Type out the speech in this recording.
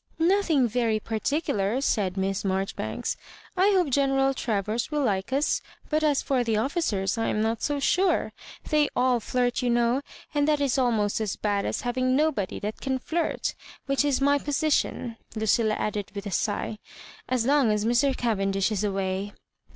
"Nothing very particular," said Miss Marjori banks. I hope General Travers will like us; but as for the officers, I am not so sure. They <Ul fiirfc, you know; and that is almost as bad as having nobody that can flirt; which is my posi tion," Lucilla added, with a sigh, " as long as Mr. Cavendish is away."